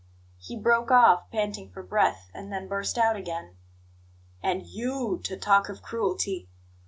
He broke off, panting for breath, and then burst out again: "And YOU to talk of cruelty!